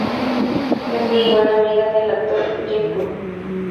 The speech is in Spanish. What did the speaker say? Es muy buena amiga del actor Jake Wood.